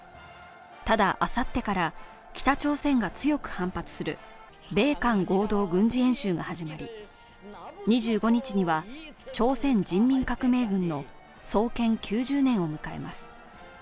ただ、あさってから北朝鮮が強く反発する米韓合同軍事演習が始まり、２５日には朝鮮人民革命軍の創建９０年を迎えます。